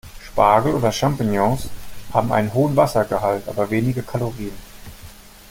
Spargel oder Champignons haben einen hohen Wassergehalt, aber wenige Kalorien.